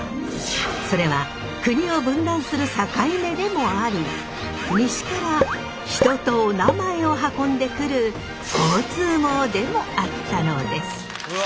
それは国を分断する境目でもあり西から人とおなまえを運んでくる交通網でもあったのです。